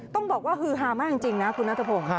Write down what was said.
ต้องบอกว่าฮือฮามากจริงนะคุณนัทพงศ์